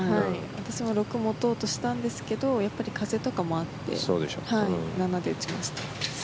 私も６を持とうとしたんですがやっぱり風とかもあって７で打ちました。